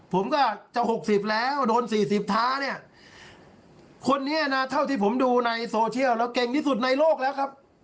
ผมก็จะ๖๐แล้วโดน๔๐ท้าเนี่ยคนนี้นะเท่าที่ผมดูในโซเชียลแล้วเก่งที่สุดในโลกแล้วครับ